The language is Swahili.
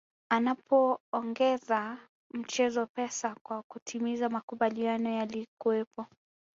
Anaipongeza mchezo Pesa kwa kutimiza makubaliano yaliyokuwepo